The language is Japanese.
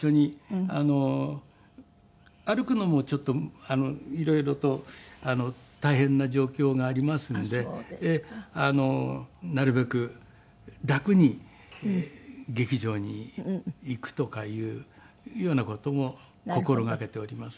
歩くのもちょっと色々と大変な状況がありますのでなるべく楽に劇場に行くとかいうような事も心がけております。